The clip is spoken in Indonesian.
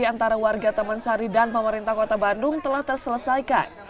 dan warga taman sari dan pemerintah kota bandung telah terselesaikan